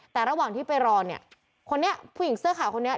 แต่ระหว่างที่ไปรอผู้หญิงเสื้อข่าวคนนี้